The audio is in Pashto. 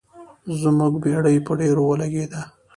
زموږ بیړۍ په ډبرو ولګیده.